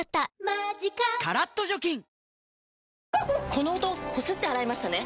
この音こすって洗いましたね？